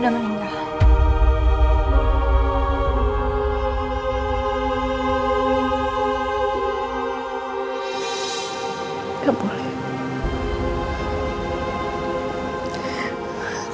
hai anak itu